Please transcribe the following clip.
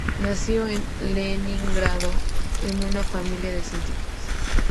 Nació en Leningrado en una familia de científicos.